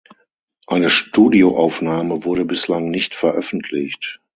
Eine Studioaufnahme wurde bislang nicht veröffentlicht.